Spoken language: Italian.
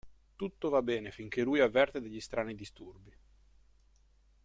Tutto va bene finché lui avverte degli strani disturbi.